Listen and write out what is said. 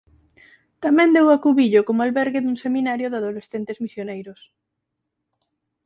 Tamén deu acubillo como albergue dun seminario de adolescentes misioneiros.